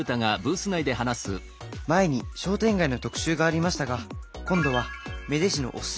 「前に商店街の特集がありましたが今度は芽出市のおススメ